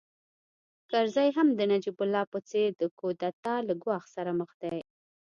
کرزی هم د نجیب الله په څېر د کودتا له ګواښ سره مخ دی